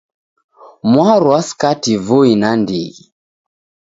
Mwarwa skati vui nandighi